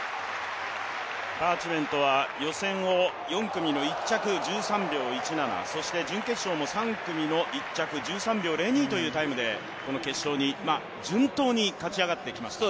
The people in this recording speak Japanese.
パーチメントは予選を４組の１着、１３秒１７、準決勝も３組の１着、１３秒０２というタイムで決勝に順当に勝ち上がってきました。